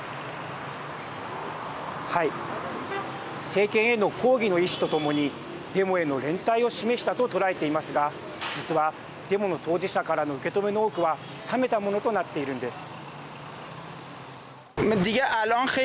政権への抗議の意志と共にデモへの連帯を示したと捉えていますが実は、デモの当事者からの受け止めの多くは冷めたものとなっているんです。